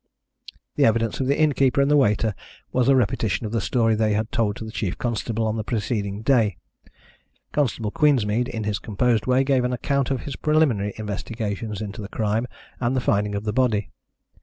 The evidence of the innkeeper and the waiter was a repetition of the story they had told to the chief constable on the preceding day. Constable Queensmead, in his composed way, gave an account of his preliminary investigations into the crime, and the finding of the body.